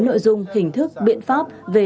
nội dung hình thức biện pháp về